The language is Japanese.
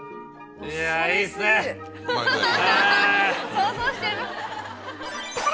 想像しちゃいました。